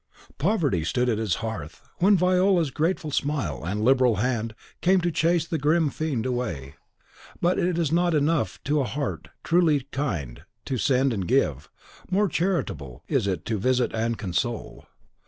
Poverty stood at his hearth, when Viola's grateful smile and liberal hand came to chase the grim fiend away. But it is not enough to a heart truly kind to send and give; more charitable is it to visit and console.